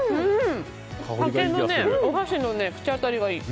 竹のお箸の口当たりがいい。